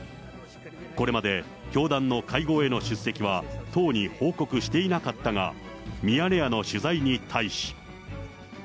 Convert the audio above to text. これまで教団の会合への出席は党に報告していなかったが、ミヤネ屋の取材に対し。